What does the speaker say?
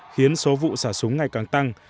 khiến số vụ xả súng ngày càng tăng